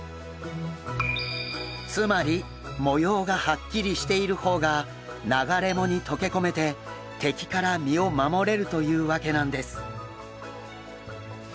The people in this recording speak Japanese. つまり模様がはっきりしている方が流れ藻にとけ込めて敵から身を守れるというわけなんです。